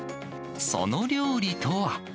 その料理とは。